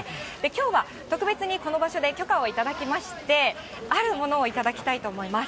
きょうは特別にこの場所で許可を頂きまして、あるものを頂きたいと思います。